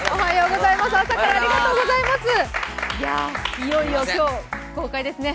いよいよ今日公開ですね。